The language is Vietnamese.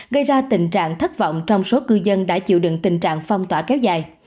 gây ra tình trạng thất vọng trong số cư dân đã chịu đựng tình trạng phong tỏa kéo dài